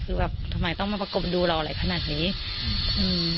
คือแบบทำไมต้องมาประกบดูเราอะไรขนาดนี้อืม